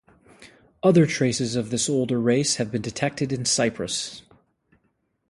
Other traces of this older race have been detected in Cyprus.